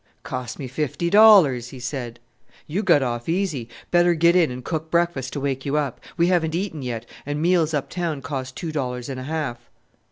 "Cost me fifty dollars!" he said. "You got off easy better get in and cook breakfast to wake you up. We haven't eaten yet, and meals up town cost two dollars and a half!"